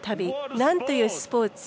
なんというスポーツ